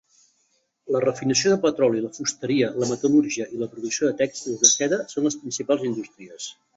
La refinació de petroli, la fusteria, la metal·lúrgia i la producció de tèxtils de seda són les principals indústries.